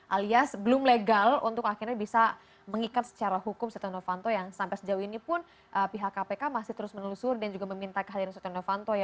alias belum legal untuk akhirnya bisa mengikat secara hukum setia novanto yang sampai sejauh ini pun pihak kpk masih terus menelusur dan juga meminta kehadiran setia novanto